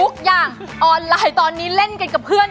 อย่างออนไลน์ตอนนี้เล่นกันกับเพื่อน